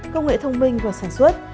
công nghệ thông minh và sản xuất